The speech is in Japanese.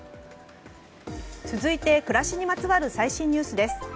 続いて、暮らしにまつわる最新ニュースです。